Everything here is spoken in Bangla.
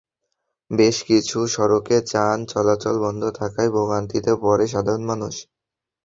বেশ কিছু সড়কে যান চলাচল বন্ধ থাকায় ভোগান্তিতে পড়ে সাধারণ মানুষ।